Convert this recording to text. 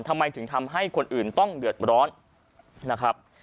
ทำไมถึงทำให้คนอื่นต้องเดือดร้อนนะครับ